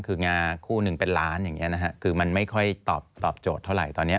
คืองาคู่หนึ่งเป็นล้านอย่างนี้นะฮะคือมันไม่ค่อยตอบโจทย์เท่าไหร่ตอนนี้